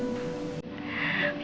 aku bawa arsila kesini